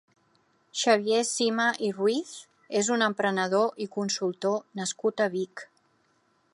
Xavier Cima i Ruiz és un emprenedor i consultor nascut a Vic.